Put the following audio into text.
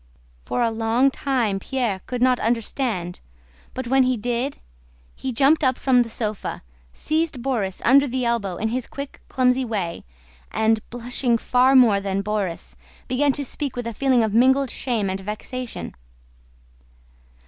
For a long time Pierre could not understand, but when he did, he jumped up from the sofa, seized Borís under the elbow in his quick, clumsy way, and, blushing far more than Borís, began to speak with a feeling of mingled shame and vexation.